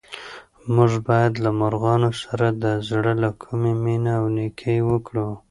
موږ باید له مرغانو سره د زړه له کومې مینه او نېکي وکړو.